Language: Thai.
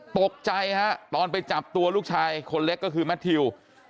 ตกใจฮะตอนไปจับตัวลูกชายคนเล็กก็คือแมททิว